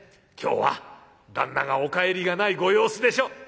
今日は旦那がお帰りがないご様子でしょ。